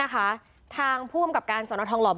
ถ้าเขาถึงปุ๊บเขาออกจากรถเลย